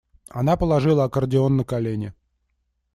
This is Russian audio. Она положила аккордеон на колени